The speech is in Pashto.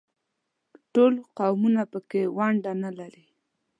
ټول قومونه په کې ونډه نه لري.